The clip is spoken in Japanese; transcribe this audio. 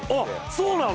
そうなの！？